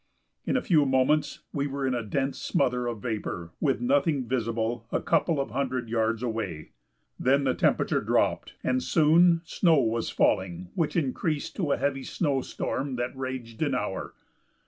In a few moments we were in a dense smother of vapor with nothing visible a couple of hundred yards away. Then the temperature dropped, and soon snow was falling which increased to a heavy snow storm that raged an hour.